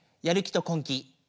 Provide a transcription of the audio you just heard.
やる気と根気。